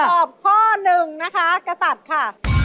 ตอบข้อหนึ่งนะคะกษัตริย์ค่ะ